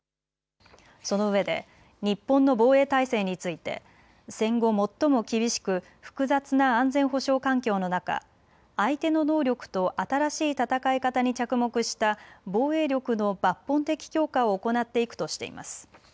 そのうえで日本の防衛体制について戦後最も厳しく複雑な安全保障環境の中、相手の能力と新しい戦い方に着目した防衛力の抜本的強化を行っていくとしています。